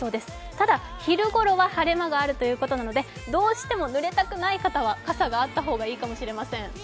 ただ、昼ごろは晴れ間があるということなので、どうしてもぬれたくない方は傘があった方がいいかもしれません。